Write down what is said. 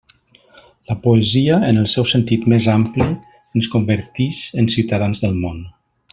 La poesia, en el seu sentit més ampli, ens convertix en ciutadans del món.